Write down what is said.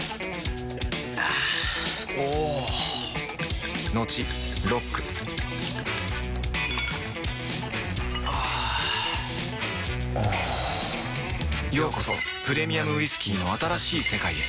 あぁおぉトクトクあぁおぉようこそプレミアムウイスキーの新しい世界へ